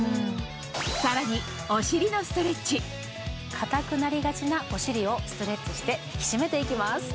さらに硬くなりがちなお尻をストレッチして引き締めていきます。